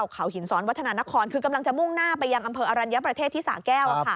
เขาหินซ้อนวัฒนานครคือกำลังจะมุ่งหน้าไปยังอำเภออรัญญประเทศที่สาแก้ว